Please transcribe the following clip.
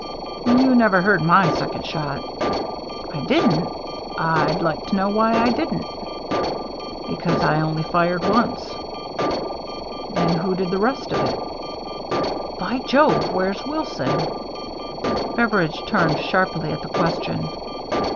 " You never heard my second shot." " I didn't ? I'd like to know why I didn't." " Because I only fired once." " Then who did the rest of it ? By Jove ! Where's Wilson?" 340 THE MERRT JNNE Beveridge turned sharply at the question.